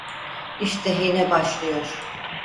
İşte yine başlıyor.